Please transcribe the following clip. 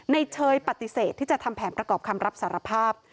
เชยปฏิเสธที่จะทำแผนประกอบคำรับสารภาพ